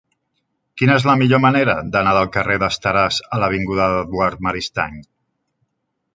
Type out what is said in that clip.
Quina és la millor manera d'anar del carrer d'Esteràs a l'avinguda d'Eduard Maristany?